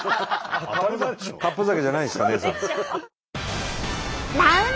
カップ酒じゃないですからねえさん。